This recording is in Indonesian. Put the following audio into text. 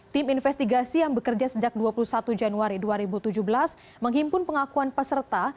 tim investigasi yang bekerja sejak dua puluh satu januari dua ribu tujuh belas menghimpun pengakuan peserta